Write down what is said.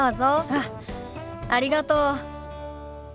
あっありがとう。